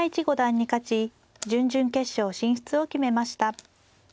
五段に勝ち準々決勝進出を決めました。